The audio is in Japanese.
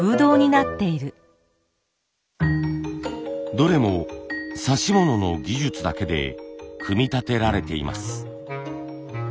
どれも指物の技術だけで組み立てられています。